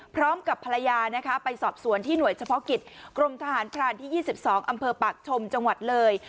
พร้อมกับภรรยานะคะไปสอบสวนที่หน่วยเฉพาะกิจกรมทหารพรานที่๒๒อำเภอปากชมจังหวัดเลย